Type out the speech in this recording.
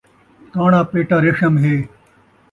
تاݨا پیٹا ریشم ہے